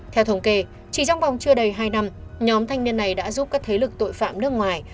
theo thống kê chỉ trong vòng chưa đầy hai năm nhóm thanh niên này đã giúp các thế lực tội phạm nước ngoài